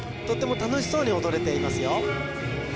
とっても楽しそうに踊れていますよ